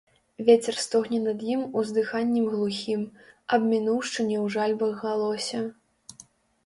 Вецер стогне над ім уздыханнем глухім, - аб мінуўшчыне ў жальбах галосе.